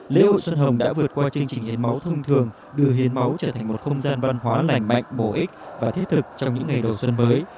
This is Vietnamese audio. lễ hội xuân hồng đã vượt qua chương trình hiến máu thông thường đưa hiến máu trở thành một không gian văn hóa lành mạnh bổ ích và thiết thực trong những ngày đầu xuân mới